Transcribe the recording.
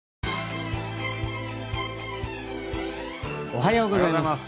おはようございます。